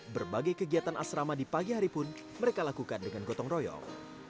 berbagai kegiatan asrama di pagi hari pun mereka lakukan dengan gotong royong